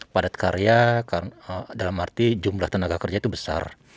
padat karya dalam arti jumlah tenaga kerja itu besar